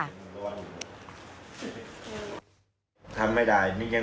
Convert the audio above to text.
นั่นนึกมาน่าจะทำได้